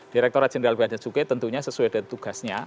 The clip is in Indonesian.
direkturat jnb acukai tentunya sesuai dengan tugasnya